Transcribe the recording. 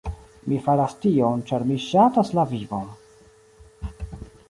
Mi faras tion, ĉar mi ŝatas la vivon!